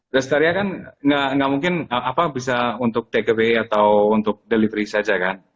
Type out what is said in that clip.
restaria kan nggak mungkin apa bisa untuk takeaway atau untuk delivery saja kan